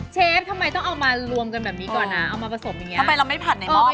เชฟทำไมต้องเอามารวมกันแบบนี้ก่อนนะเอามาผสมอย่างเงี้ทำไมเราไม่ผัดในหม้อ